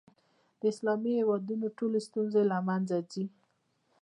د اسلامي هېوادونو ټولې ستونزې له منځه ځي.